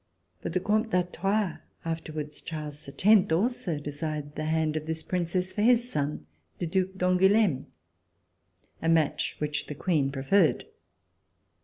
But the Comte d'Artois, afterwards Charles X, also desired the hand of this Princess for his son, the Due d'Angouleme, a match which the Queen pre ferred.